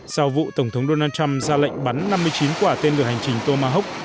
sau vụ tổng thống donald trump ra lệnh bắn năm mươi chín quả tên lửa hành trình tomahawk